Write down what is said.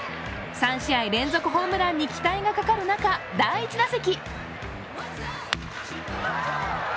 ３試合連続ホームランに期待がかかる中、第１打席。